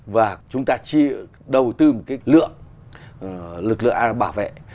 và chúng ta chỉ đầu tư một lượng lực lượng an ninh bảo vệ